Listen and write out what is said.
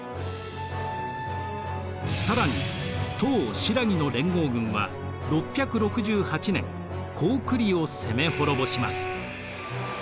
更に唐・新羅の連合軍は６６８年高句麗を攻め滅ぼします。